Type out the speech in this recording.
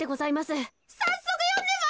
さっそくよんでまいれ！